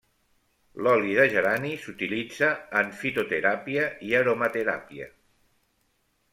L'oli de gerani s'utilitza en fitoteràpia i aromateràpia.